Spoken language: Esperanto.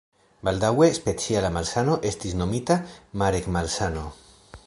Baldaŭe speciala malsano estis nomita Marek-malsano.